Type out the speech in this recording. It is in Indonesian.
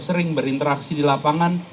sering berinteraksi di lapangan